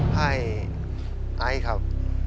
ให้ไอ้ครับ